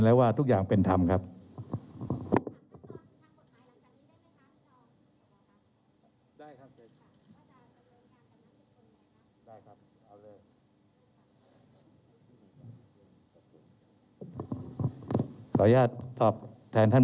เรามีการปิดบันทึกจับกลุ่มเขาหรือหลังเกิดเหตุแล้วเนี่ย